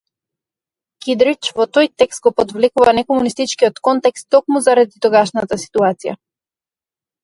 Кидрич во тој текст го подвлекува некомунистичкиот контекст токму заради тогашната ситуација.